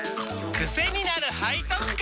クセになる背徳感！